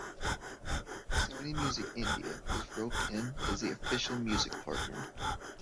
Sony Music India was roped in as the official music partner.